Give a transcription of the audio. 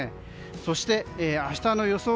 そして、明日の予想